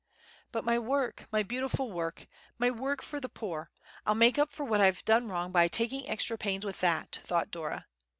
"But my work—my beautiful work—my work for the poor—I'll make up for what I've done wrong by taking extra pains with that!" thought Dora.